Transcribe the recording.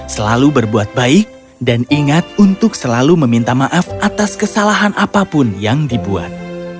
selalu berbuat baik dan ingat untuk selalu meminta maaf atas kesalahan apapun yang dibuat